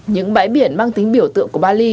những bãi biển mang tính biểu tượng của bali